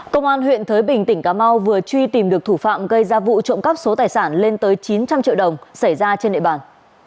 công an huyện thới bình tỉnh cà mau vừa truy tìm được thủ phạm gây ra vụ trộm cắp số tài sản lên tới chín trăm linh triệu đồng xảy ra trên địa bàn